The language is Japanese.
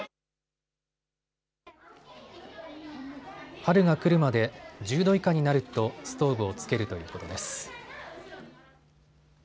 春が来るまで１０度以下になるとストーブをつけるということです。